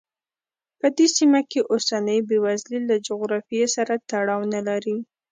په دې سیمه کې اوسنۍ بېوزلي له جغرافیې سره تړاو نه لري.